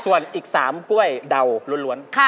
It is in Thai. ส่วนอีก๓กล้วยเดาล้วน